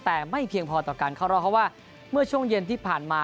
แต่ไม่เพียงพอต่อการเข้ารอบเพราะว่าเมื่อช่วงเย็นที่ผ่านมา